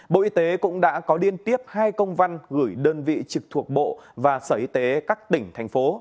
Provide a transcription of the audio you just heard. bộ y tế cũng đã có điên tiếp hai công văn gửi đơn vị trực thuộc bộ và sở y tế các tỉnh thành phố